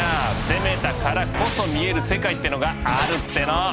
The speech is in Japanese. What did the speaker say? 「攻めたからこそ見える世界」ってのがあるっての！